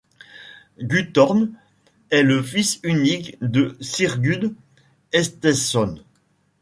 Guthorm est le fils unique de Sigurd Eysteinsson.